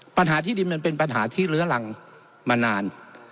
ปัญหาที่ดินมันเป็นปัญหาที่เลื้อรังมานาน